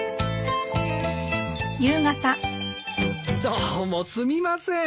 どうもすみません。